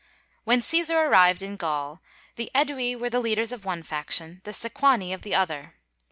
When Cæsar arrived in Gaul, the Ædui were the leaders of one faction, the Sequani of the other.